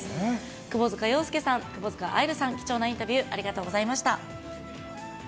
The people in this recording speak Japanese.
窪塚洋介さん、窪塚愛流さん、貴重なインタビューありがとうございました。